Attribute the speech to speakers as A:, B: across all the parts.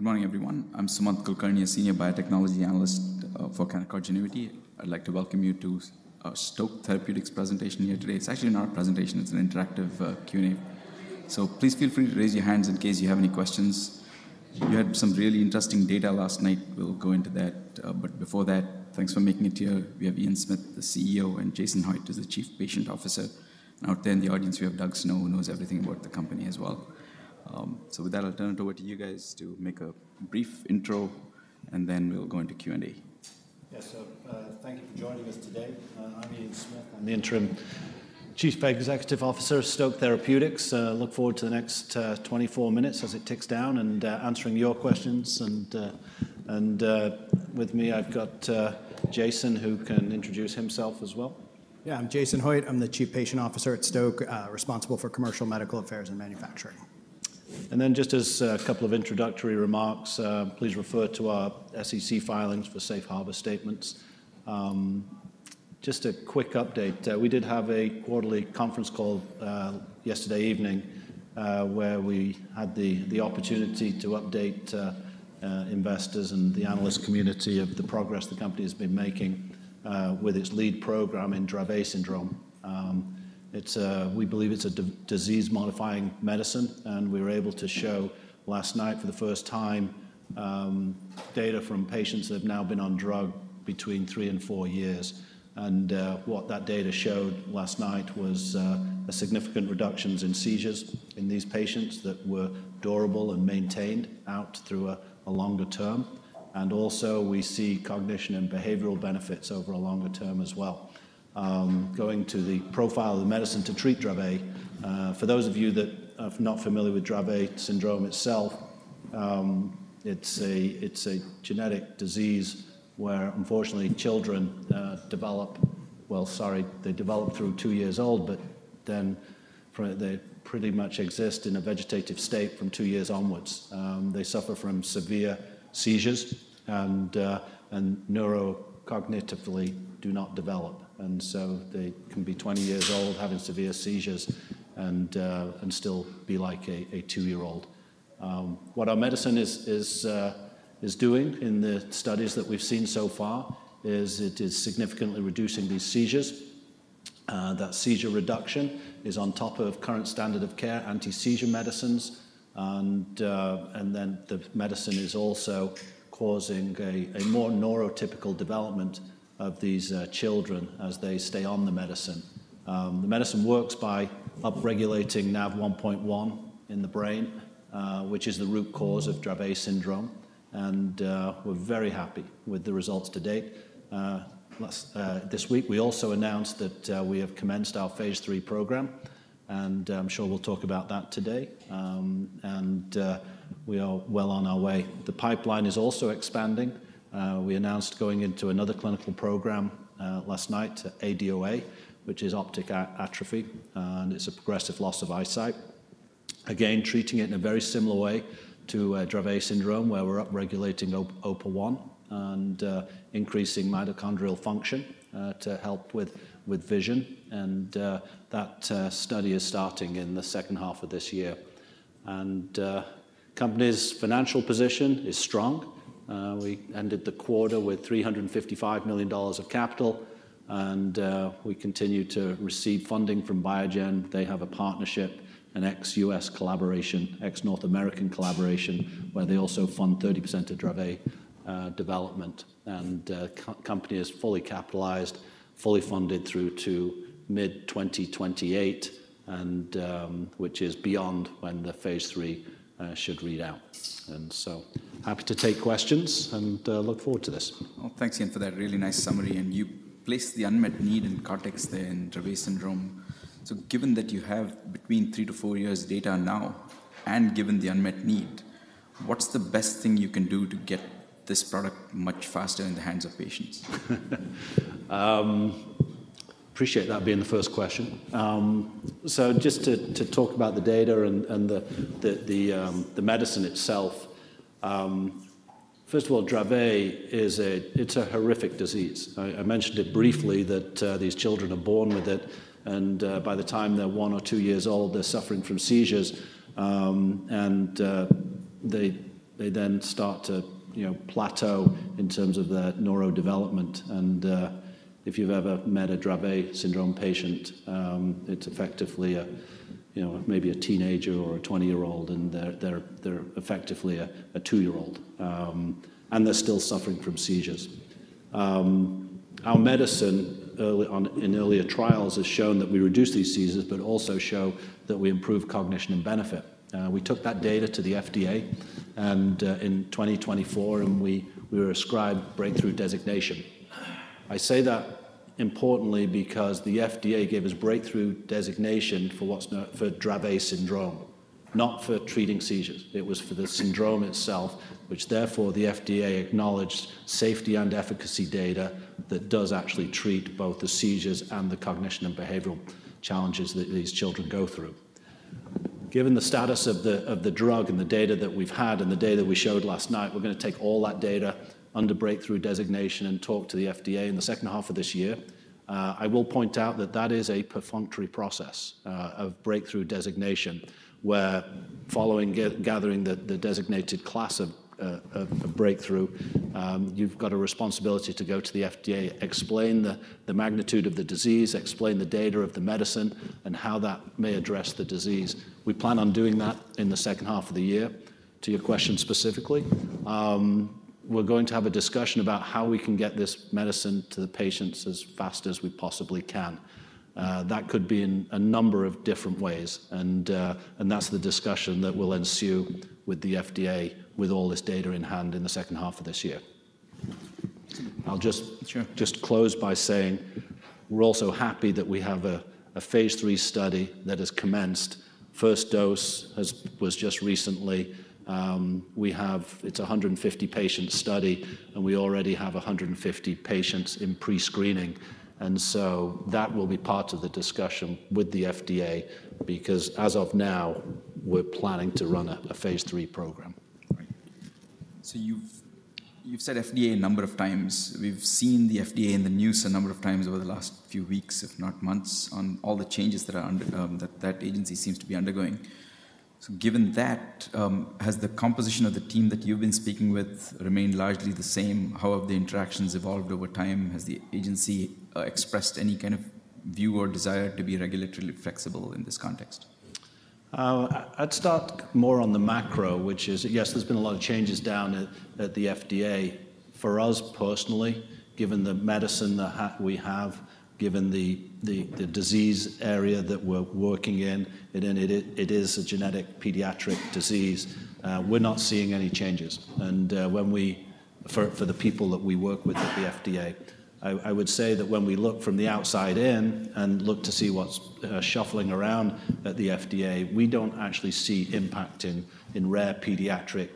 A: Good morning, everyone. I'm Sumant Kulkarni, a Senior Biotechnology Analyst of Canaccord Genuity. I'd like to welcome you to our Stoke Therapeutics presentation here today. It's actually not a presentation, it's an interactive Q&A. Please feel free to raise your hands in case you have any questions. You had some really interesting data last night. We'll go into that. Before that, thanks for making it here. We have Ian Smith, the CEO, and Jason Hoitt as the Chief Patient Officer. Out there in the audience, we have Doug Snow, who knows everything about the company as well. With that, I'll turn it over to you guys to make a brief intro, and then we'll go into Q&A.
B: Yes, thank you for joining us today. I'm Ian Smith. am the Interim Chief Executive Officer of Stoke Therapeutics. I look forward to the next 24 minutes as it ticks down and answering your questions. With me, I've got Jason, who can introduce himself as well.
C: Yeah, I'm Jason Hoitt. I'm the Chief Patient Officer at Stoke Therapeutics, responsible for commercial, medical affairs, and manufacturing.
B: Please refer to our SEC filings for safe harbor statements. Just a quick update. We did have a quarterly conference call yesterday evening where we had the opportunity to update investors and the analyst community of the progress the company has been making with its lead program in Dravet syndrome. We believe it's a disease-modifying medicine, and we were able to show last night for the first time data from patients that have now been on drugs between three and four years. What that data showed last night was significant reductions in seizures in these patients that were durable and maintained out through a longer term. We also see cognition and behavioral benefits over a longer term as well. Going to the profile of the medicine to treat Dravet, for those of you that are not familiar with Dravet syndrome itself, it's a genetic disease where, unfortunately, children develop through two years old, but then they pretty much exist in a vegetative state from two years onwards. They suffer from severe seizures and neurocognitively do not develop. They can be 20 years old, having severe seizures, and still be like a two-year-old. What our medicine is doing in the studies that we've seen so far is it is significantly reducing these seizures. That seizure reduction is on top of current standard-of-care anti-seizure medications. The medicine is also causing a more neurotypical development of these children as they stay on the medicine. The medicine works by upregulating NaV1.1 in the brain, which is the root cause of Dravet syndrome. We are very happy with the results to date. This week, we also announced that we have commenced our phase III program, and I'm sure we'll talk about that today. We are well on our way. The pipeline is also expanding. We announced going into another clinical program last night to ADOA, which is optic atrophy, and it's a progressive loss of eyesight. Treating it in a very similar way to Dravet syndrome where we're upregulating OPA1 and increasing mitochondrial function to help with vision. That study is starting in the second half of this year. The company's financial position is strong. We ended the quarter with $355 million of capital, and we continue to receive funding from Biogen. They have a partnership, an ex-U.S. collaboration, ex-North American collaboration, where they also fund 30% of Dravet development. The company is fully capitalized, fully funded through to mid-2028, which is beyond when the phase III should read out. Happy to take questions and look forward to this.
A: Thank you, Ian, for that really nice summary. You placed the unmet need in Dravet syndrome. Given that you have between three to four years data now and given the unmet need, what's the best thing you can do to get this product much faster in the hands of patients?
B: Appreciate that being the first question. Just to talk about the data and the medicine itself, first of all, Dravet is a horrific disease. I mentioned it briefly that these children are born with it, and by the time they're one or two years old, they're suffering from seizures. They then start to plateau in terms of their neurodevelopment. If you've ever met a Dravet syndrome patient, it's effectively maybe a teenager or a 20-year-old, and they're effectively a two-year-old. They're still suffering from seizures. Our medicine in earlier trials has shown that we reduce these seizures, but also show that we improve cognition and benefit. We took that data to the FDA in 2024, and we were ascribed breakthrough therapy designation. I say that importantly because the FDA gave us breakthrough therapy designation for Dravet syndrome, not for treating seizures. It was for the syndrome itself, which therefore the FDA acknowledged safety and efficacy data that does actually treat both the seizures and the cognition and behavioral challenges that these children go through. Given the status of the drug and the data that we've had and the data we showed last night, we're going to take all that data under breakthrough therapy designation and talk to the FDA in the second half of this year. I will point out that that is a perfunctory process of breakthrough therapy designation where following gathering the designated class of breakthrough, you've got a responsibility to go to the FDA, explain the magnitude of the disease, explain the data of the medicine, and how that may address the disease. We plan on doing that in the second half of the year. To your question specifically, we're going to have a discussion about how we can get this medicine to the patients as fast as we possibly can. That could be in a number of different ways. That's the discussion that will ensue with the FDA with all this data in hand in the second half of this year. I'll just close by saying we're also happy that we have a phase III study that has commenced. First dose was just recently. We have, it's a 150-patient study, and we already have 150 patients in pre-screening. That will be part of the discussion with the FDA because as of now, we're planning to run a phase III program.
A: You've said FDA a number of times. We've seen the FDA in the news a number of times over the last few weeks, if not months, on all the changes that agency seems to be undergoing. Given that, has the composition of the team that you've been speaking with remained largely the same? How have the interactions evolved over time? Has the agency expressed any kind of view or desire to be regulatory flexible in this context?
B: I'd start more on the macro, which is, yes, there's been a lot of changes down at the FDA. For us personally, given the medicine that we have, given the disease area that we're working in, it is a genetic pediatric disease. We're not seeing any changes. When we, for the people that we work with at the FDA, I would say that when we look from the outside in and look to see what's shuffling around at the FDA, we don't actually see impact in rare pediatric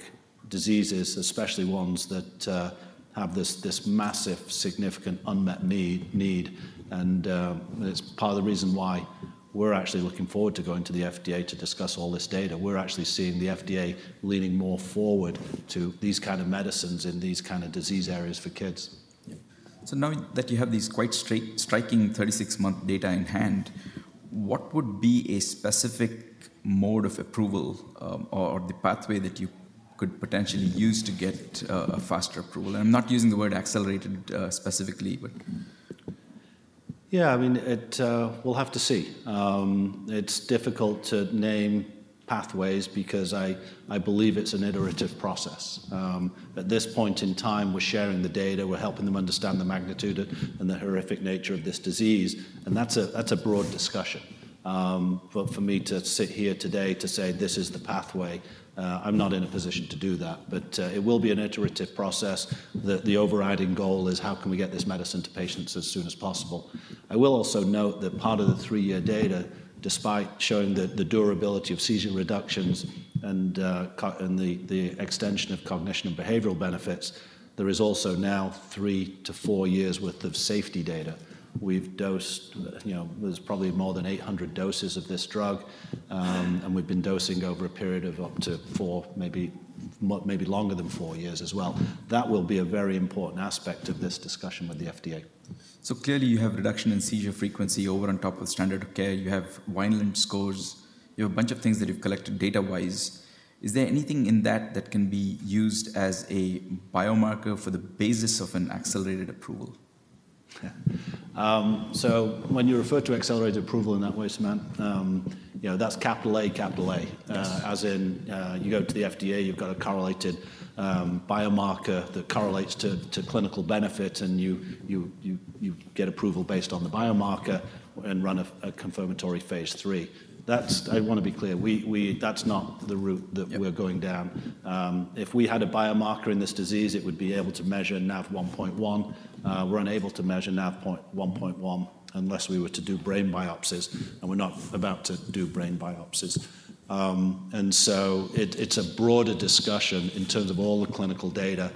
B: diseases, especially ones that have this massive, significant unmet need. It's part of the reason why we're actually looking forward to going to the FDA to discuss all this data. We're actually seeing the FDA leaning more forward to these kinds of medicines in these kinds of disease areas for kids.
A: Knowing that you have these quite striking 36-month data in hand, what would be a specific mode of approval or the pathway that you could potentially use to get a faster approval? I'm not using the word accelerated specifically, but.
B: Yeah, I mean, we'll have to see. It's difficult to name pathways because I believe it's an iterative process. At this point in time, we're sharing the data. We're helping them understand the magnitude and the horrific nature of this disease. That's a broad discussion. For me to sit here today to say this is the pathway, I'm not in a position to do that. It will be an iterative process. The overriding goal is how can we get this medicine to patients as soon as possible. I will also note that part of the three-year data, despite showing the durability of seizure reductions and the extension of cognition and behavioral benefits, there is also now three to four years' worth of safety data. We've dosed, you know, there's probably more than 800 doses of this drug. We've been dosing over a period of up to four, maybe longer than four years as well. That will be a very important aspect of this discussion with the FDA.
A: You have reduction in seizure frequency on top of standard-of-care. You have Vineland-3 scores. You have a bunch of things that you've collected data-wise. Is there anything in that that can be used as a biomarker for the basis of an accelerated approval?
B: When you refer to accelerated approval in that way, Sumant, that's capital A, capital A, as in you go to the FDA, you've got a correlated biomarker that correlates to clinical benefit, and you get approval based on the biomarker and run a confirmatory phase III. I want to be clear. That's not the route that we're going down. If we had a biomarker in this disease, it would be able to measure NaV1.1. We're unable to measure NaV1.1 unless we were to do brain biopsies, and we're not about to do brain biopsies. It's a broader discussion in terms of all the clinical data,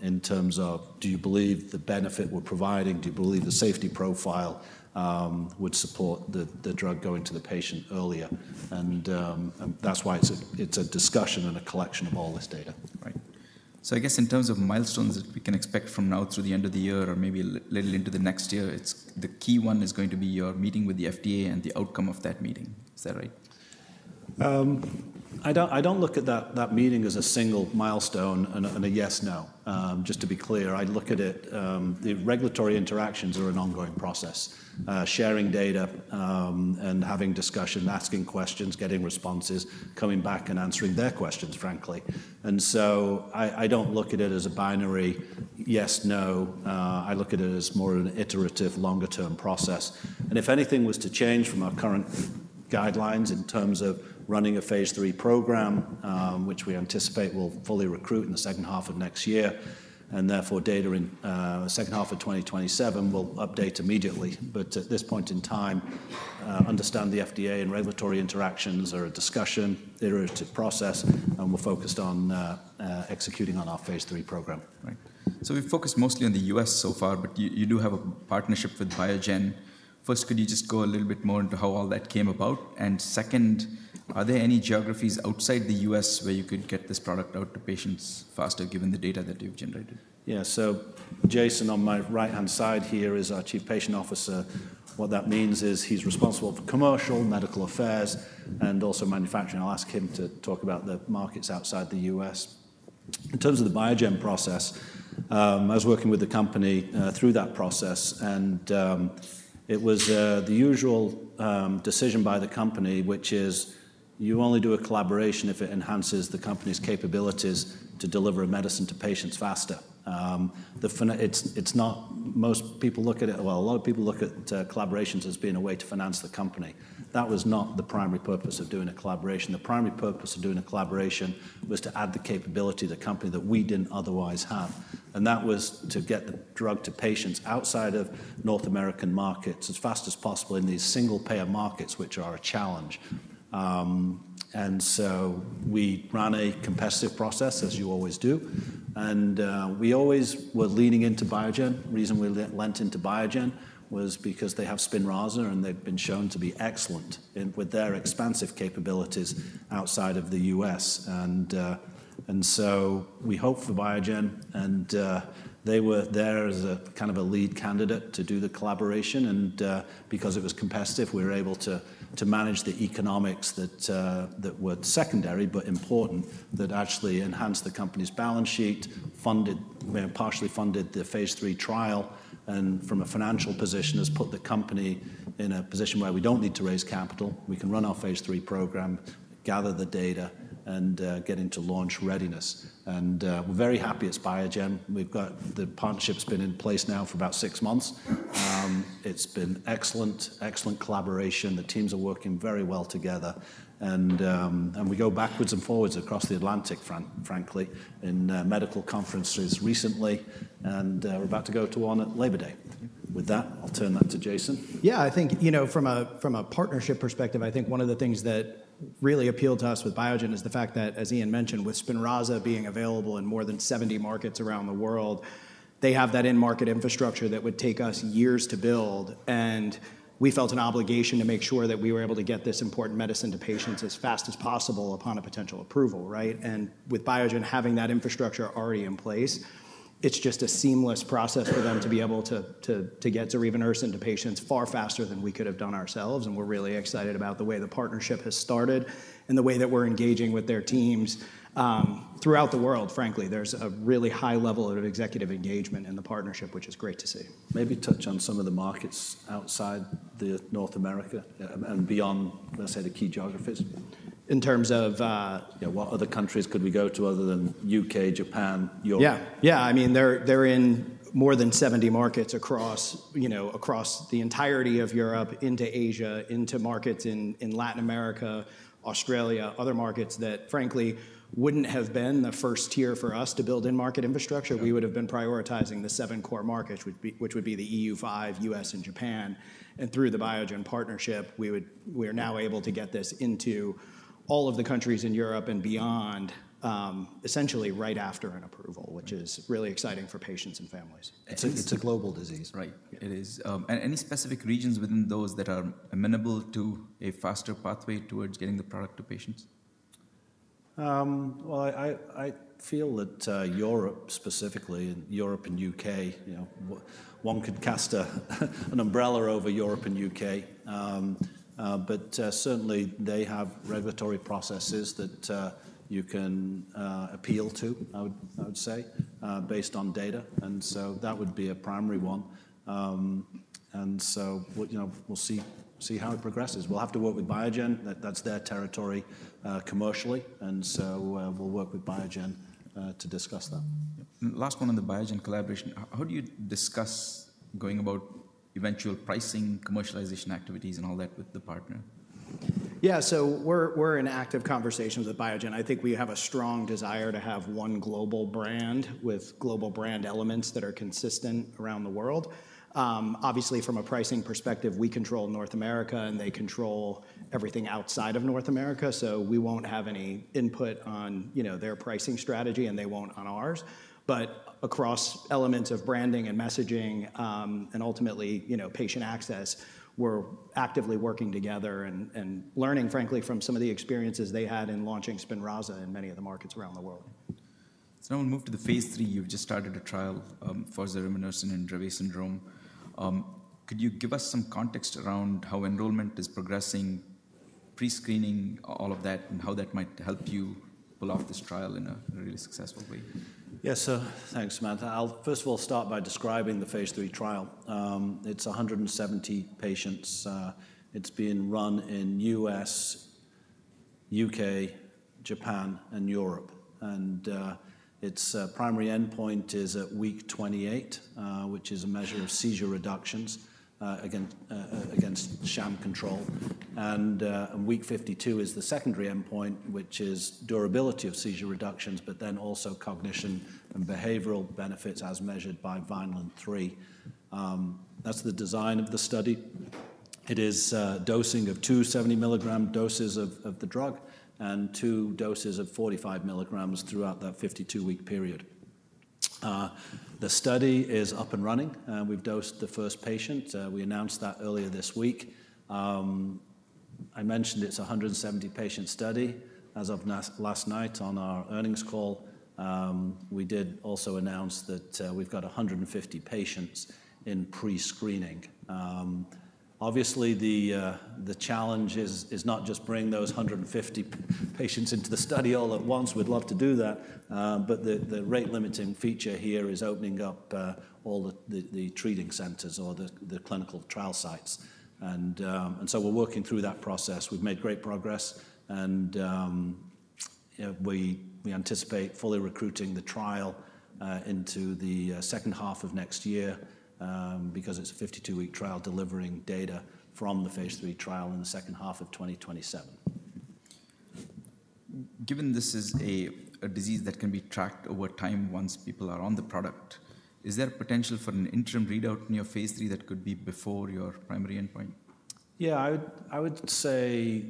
B: in terms of do you believe the benefit we're providing? Do you believe the safety profile would support the drug going to the patient earlier? That's why it's a discussion and a collection of all this data.
A: Right. I guess in terms of milestones that we can expect from now through the end of the year or maybe a little into the next year, the key one is going to be your meeting with the FDA and the outcome of that meeting. Is that right?
B: I don't look at that meeting as a single milestone and a yes/no, just to be clear. I look at it, the regulatory interactions are an ongoing process, sharing data and having discussion, asking questions, getting responses, coming back and answering their questions, frankly. I don't look at it as a binary yes/no. I look at it as more of an iterative, longer-term process. If anything was to change from our current guidelines in terms of running a phase III program, which we anticipate we'll fully recruit in the second half of next year, and therefore data in the second half of 2027, we'll update immediately. At this point in time, understand the FDA and regulatory interactions are a discussion, iterative process, and we're focused on executing on our phase III program.
A: Right. We've focused mostly on the U.S. so far, but you do have a partnership with Biogen. First, could you just go a little bit more into how all that came about? Second, are there any geographies outside the U.S. where you can get this product out to patients faster given the data that you've generated?
B: Yeah, so Jason on my right-hand side here is our Chief Patient Officer. What that means is he's responsible for commercial, medical affairs, and also manufacturing. I'll ask him to talk about the markets outside the U.S. In terms of the Biogen process, I was working with the company through that process, and it was the usual decision by the company, which is you only do a collaboration if it enhances the company's capabilities to deliver a medicine to patients faster. Most people look at it, a lot of people look at collaborations as being a way to finance the company. That was not the primary purpose of doing a collaboration. The primary purpose of doing a collaboration was to add the capability to the company that we didn't otherwise have. That was to get the drug to patients outside of North American markets as fast as possible in these single-payer markets, which are a challenge. We ran a competitive process, as you always do. We always were leaning into Biogen. The reason we leaned into Biogen was because they have Spinraza, and they've been shown to be excellent with their expansive capabilities outside of the U.S. We hope for Biogen, and they were there as a kind of a lead candidate to do the collaboration. Because it was competitive, we were able to manage the economics that were secondary but important that actually enhanced the company's balance sheet, partially funded the phase III trial. From a financial position, it's put the company in a position where we don't need to raise capital. We can run our phase III program, gather the data, and get into launch readiness. We're very happy it's Biogen. The partnership's been in place now for about six months. It's been excellent, excellent collaboration. The teams are working very well together. We go backwards and forwards across the Atlantic, frankly, in medical conferences recently. We're about to go to one at Labor Day. With that, I'll turn that to Jason.
C: I think, from a partnership perspective, one of the things that really appealed to us with Biogen is the fact that, as Ian mentioned, with Spinraza being available in more than 70 markets around the world, they have that in-market infrastructure that would take us years to build. We felt an obligation to make sure that we were able to get this important medicine to patients as fast as possible upon a potential approval, right? With Biogen having that infrastructure already in place, it's just a seamless process for them to be able to get to revenue into patients far faster than we could have done ourselves. We're really excited about the way the partnership has started and the way that we're engaging with their teams throughout the world. Frankly, there's a really high level of executive engagement in the partnership, which is great to see.
B: Maybe touch on some of the markets outside North America and beyond, let's say, the key geographies.
C: In terms of
B: what other countries could we go to other than U.K., Japan, Europe?
C: They're in more than 70 markets across the entirety of Europe, into Asia, into markets in Latin America, Australia, other markets that frankly wouldn't have been the first tier for us to build in-market infrastructure. We would have been prioritizing the seven core markets, which would be the E.U., U.S., and Japan. Through the Biogen partnership, we are now able to get this into all of the countries in Europe and beyond, essentially right after an approval, which is really exciting for patients and families.
A: It's a global disease, right? It is. Any specific regions within those that are amenable to a faster pathway towards getting the product to patients?
B: Europe specifically, and Europe and U.K., you know, one could cast an umbrella over Europe and U.K. Certainly, they have regulatory processes that you can appeal to, I would say, based on data. That would be a primary one. We'll see how it progresses. We'll have to work with Biogen. That's their territory commercially. We'll work with Biogen to discuss that.
A: Last one on the Biogen collaboration. How do you discuss going about eventual pricing, commercialization activities, and all that with the partner?
C: Yeah, we're in active conversations with Biogen. I think we have a strong desire to have one global brand with global brand elements that are consistent around the world. Obviously, from a pricing perspective, we control North America and they control everything outside of North America. We won't have any input on their pricing strategy and they won't on ours. Across elements of branding and messaging and ultimately patient access, we're actively working together and learning, frankly, from some of the experiences they had in launching Spinraza in many of the markets around the world.
A: I want to move to the phase III. You've just started a trial for zorevunersen in Dravet syndrome. Could you give us some context around how enrollment is progressing, pre-screening, all of that, and how that might help you pull off this trial in a really successful way?
B: Yeah, so thanks, Sumant. I'll first of all start by describing the phase III trial. It's 170 patients. It's being run in the U.S., U.K., Japan, and Europe. Its primary endpoint is at week 28, which is a measure of seizure reductions against sham control. Week 52 is the secondary endpoint, which is durability of seizure reductions, but then also cognition and behavioral benefits as measured by Vineland-3. That's the design of the study. It is dosing of two 70 mg doses of the drug and two doses of 45 mg throughout that 52-week period. The study is up and running. We've dosed the first patient. We announced that earlier this week. I mentioned it's a 170-patient study. As of last night on our earnings call, we did also announce that we've got 150 patients in pre-screening. Obviously, the challenge is not just bringing those 150 patients into the study all at once. We'd love to do that. The rate-limiting feature here is opening up all the treating centers or the clinical trial sites. We're working through that process. We've made great progress. We anticipate fully recruiting the trial into the second half of next year because it's a 52-week trial delivering data from the phase III trial in the second half of 2027.
A: Given this is a disease that can be tracked over time once people are on the product, is there a potential for an interim readout in your phase III that could be before your primary endpoint?
B: Yeah, I would say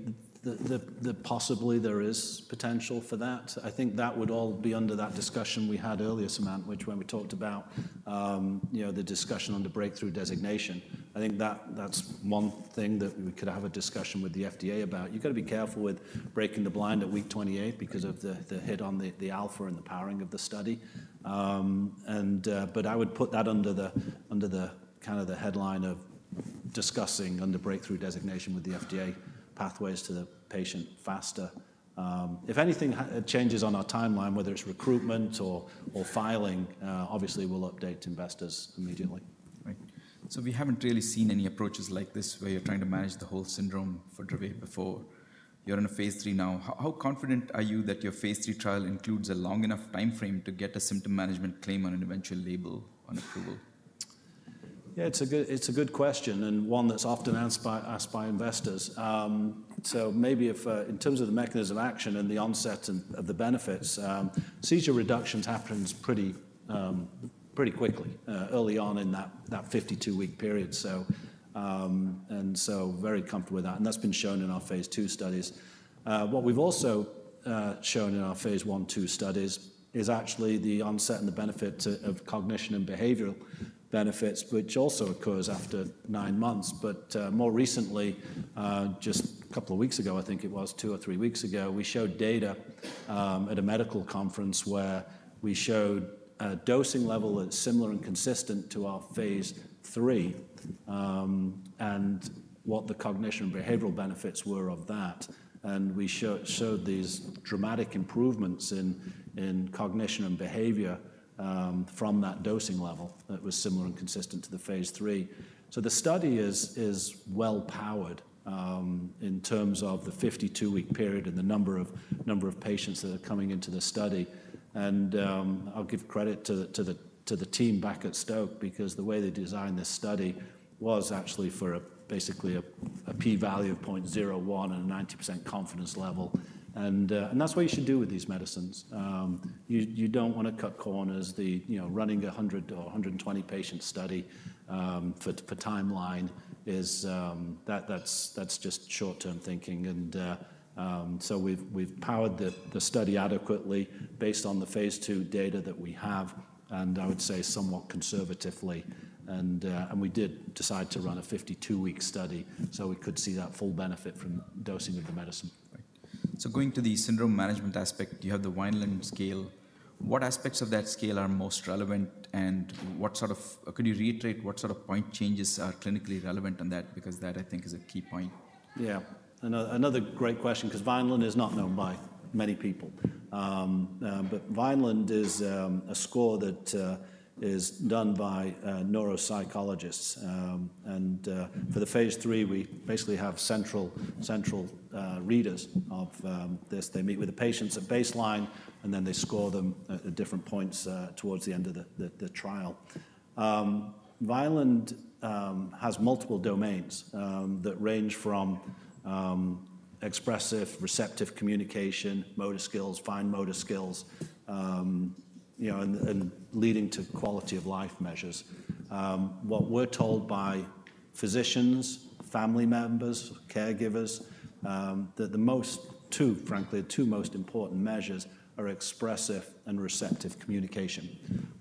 B: that possibly there is potential for that. I think that would all be under that discussion we had earlier, Sumant, which when we talked about the discussion under breakthrough therapy designation, I think that's one thing that we could have a discussion with the FDA about. You have to be careful with breaking the blind at week 28 because of the hit on the alpha and the powering of the study. I would put that under the headline of discussing under breakthrough therapy designation with the FDA pathways to the patient faster. If anything changes on our timeline, whether it's recruitment or filing, obviously we'll update investors immediately.
A: Right. We haven't really seen any approaches like this where you're trying to manage the whole syndrome for Dravet before. You're in a phase III now. How confident are you that your phase III trial includes a long enough timeframe to get a symptom management claim on an eventual label on approval?
B: Yeah, it's a good question and one that's often asked by investors. Maybe in terms of the mechanism of action and the onset of the benefits, seizure reductions happen pretty quickly early on in that 52-week period, and very comfortable with that. That's been shown in our phase II studies. What we've also shown in our phase I-II studies is actually the onset and the benefit of cognition and behavioral benefits, which also occurs after nine months. More recently, just a couple of weeks ago, I think it was two or three weeks ago, we showed data at a medical conference where we showed a dosing level that's similar and consistent to our phase III and what the cognition and behavioral benefits were of that. We showed these dramatic improvements in cognition and behavior from that dosing level that was similar and consistent to the phase III. The study is well-powered in terms of the 52-week period and the number of patients that are coming into the study. I'll give credit to the team back at Stoke because the way they designed this study was actually for basically a p-value of 0.01 and a 90% confidence level. That's what you should do with these medicines. You don't want to cut corners. Running a 100 or 120 patient study for timeline is just short-term thinking. We've powered the study adequately based on the phase II data that we have, and I would say somewhat conservatively. We did decide to run a 52-week study so we could see that full benefit from dosing of the medicine.
A: Going to the syndrome management aspect, you have the Vineland-3 scale. What aspects of that scale are most relevant? What sort of, could you reiterate what sort of point changes are clinically relevant on that? Because that, I think, is a key point.
B: Yeah, another great question because Vineland is not known by many people. Vineland is a score that is done by neuropsychologists. For the phase III, we basically have central readers of this. They meet with the patients at baseline, and then they score them at different points towards the end of the trial. Vineland has multiple domains that range from expressive receptive communication, motor skills, fine motor skills, and leading to quality of life measures. What we're told by physicians, family members, caregivers, is that, frankly, the two most important measures are expressive and receptive communication.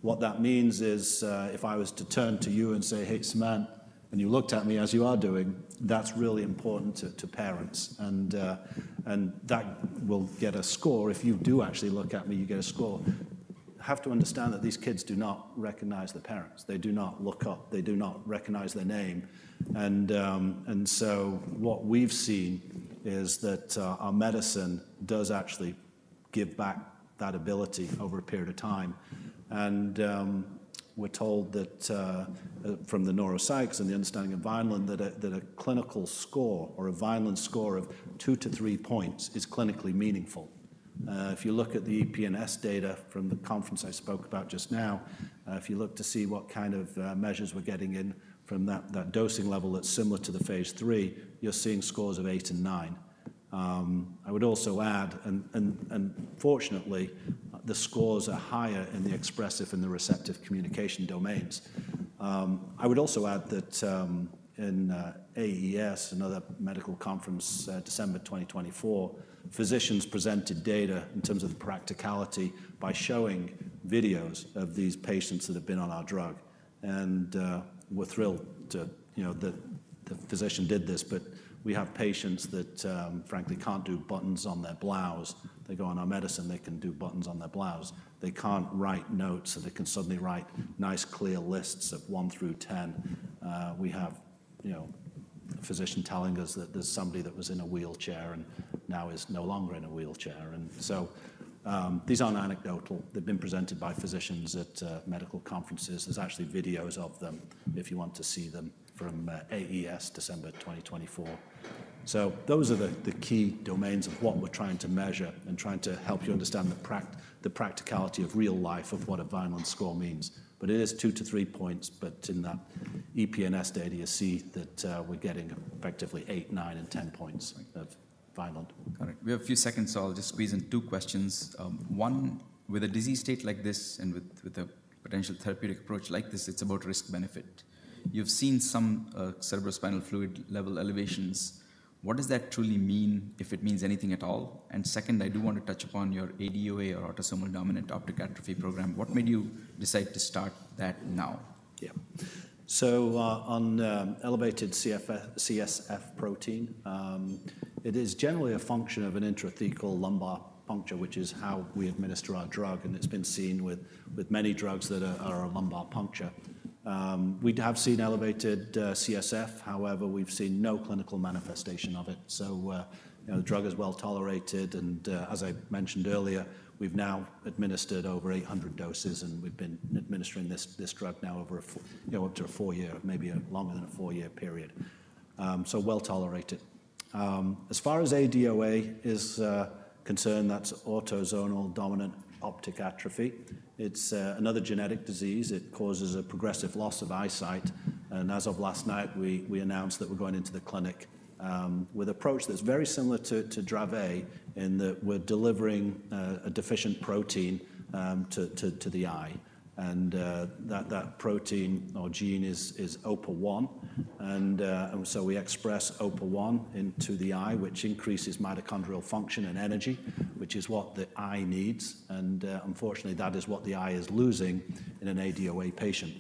B: What that means is if I was to turn to you and say, "Hey, Sumant," and you looked at me as you are doing, that's really important to parents. That will get a score. If you do actually look at me, you get a score. I have to understand that these kids do not recognize their parents. They do not look up. They do not recognize their name. What we've seen is that our medicine does actually give back that ability over a period of time. We're told from the neuropsychs and the understanding of Vineland that a clinical score or a Vineland score of two to three points is clinically meaningful. If you look at the EPNS data from the conference I spoke about just now, if you look to see what kind of measures we're getting in from that dosing level that's similar to the phase III, you're seeing scores of eight and nine. I would also add, fortunately, the scores are higher in the expressive and the receptive communication domains. I would also add that in AES, another medical conference, December 2024, physicians presented data in terms of the practicality by showing videos of these patients that have been on our drug. We're thrilled that the physician did this. We have patients that, frankly, can't do buttons on their blouse. They go on our medicine. They can do buttons on their blouse. They can't write notes, so they can suddenly write nice clear lists of one through 10. We have a physician telling us that there's somebody that was in a wheelchair and now is no longer in a wheelchair. These aren't anecdotal. They've been presented by physicians at medical conferences. There are actually videos of them if you want to see them from AES, December 2024. Those are the key domains of what we're trying to measure and trying to help you understand the practicality of real life of what a Vineland score means. It is two to three points. In that EPNS data, you see that we're getting effectively eight, nine, and 10 points of Vineland.
A: Got it. We have a few seconds, so I'll just squeeze in two questions. One, with a disease state like this and with a potential therapeutic approach like this, it's about risk-benefit. You've seen some cerebrospinal fluid level elevations. What does that truly mean if it means anything at all? I do want to touch upon your ADOA or autosomal dominant optic atrophy program. What made you decide to start that now?
B: Yeah, so on elevated CSF protein, it is generally a function of an intrathecal lumbar puncture, which is how we administer our drug. It's been seen with many drugs that are a lumbar puncture. We have seen elevated CSF. However, we've seen no clinical manifestation of it. The drug is well tolerated. As I mentioned earlier, we've now administered over 800 doses, and we've been administering this drug now over a four-year, maybe longer than a four-year period. It's well tolerated. As far as ADOA is concerned, that's autosomal dominant optic atrophy. It's another genetic disease. It causes a progressive loss of eyesight. As of last night, we announced that we're going into the clinic with an approach that's very similar to Dravet in that we're delivering a deficient protein to the eye. That protein or gene is OPA1. We express OPA1 into the eye, which increases mitochondrial function and energy, which is what the eye needs. Unfortunately, that is what the eye is losing in an ADOA patient.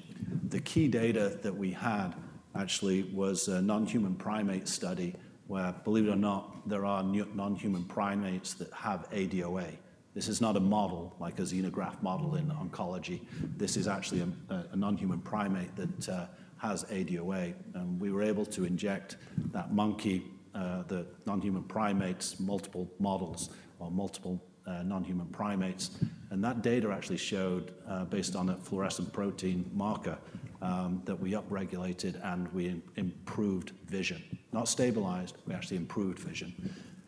B: The key data that we had actually was a non-human primate study where, believe it or not, there are non-human primates that have ADOA. This is not a model, like a xenograft model in oncology. This is actually a non-human primate that has ADOA. We were able to inject that monkey, the non-human primates, multiple models on multiple non-human primates. That data actually showed, based on a fluorescent protein marker, that we upregulated and we improved vision. Not stabilized, we actually improved vision.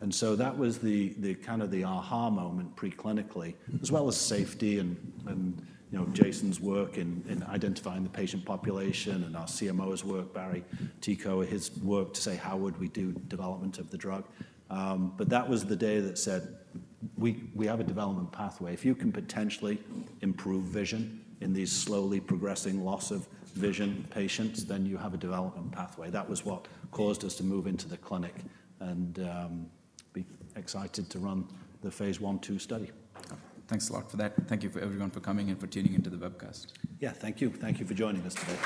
B: That was the kind of the aha moment preclinically, as well as safety and Jason's work in identifying the patient population and our CMO's work, Barry Ticho, his work to say how would we do development of the drug. That was the day that said we have a development pathway. If you can potentially improve vision in these slowly progressing loss of vision patients, then you have a development pathway. That was what caused us to move into the clinic and be excited to run the phase study.
A: Thanks a lot for that. Thank you everyone for coming and for tuning into the webcast.
B: Thank you. Thank you for joining us today.